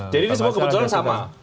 jadi ini semua kebetulan sama